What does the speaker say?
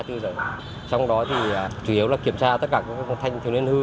trong đó thì chủ yếu là kiểm tra tất cả các thanh thiếu niên hư